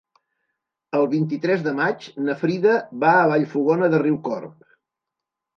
El vint-i-tres de maig na Frida va a Vallfogona de Riucorb.